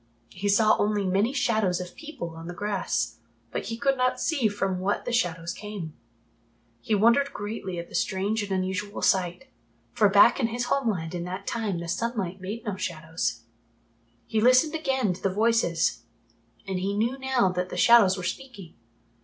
He saw only many shadows of people on the grass, but he could not see from what the shadows came. He wondered greatly at the strange and unusual sight, for back in his homeland in that time the sunlight made no shadows. He listened again to the voices and he knew now that the shadows were speaking.